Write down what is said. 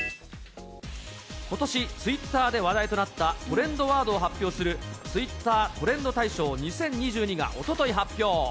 ことし、ツイッターで話題となったトレンドワードを発表する、ツイッタートレンド大賞２０２２がおととい発表。